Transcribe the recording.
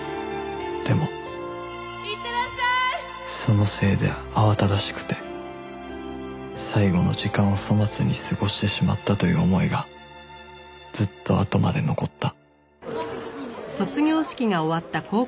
でもそのせいで慌ただしくて最後の時間を粗末に過ごしてしまったという思いがずっとあとまで残った